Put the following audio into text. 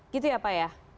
gitu ya pak ya